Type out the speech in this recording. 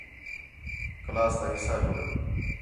کلاس تا حِصّہ جوڑ